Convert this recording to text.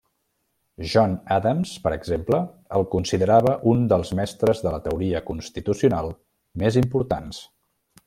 John Adams, per exemple, el considerava un dels mestres de la teoria constitucional més importants.